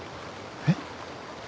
えっ？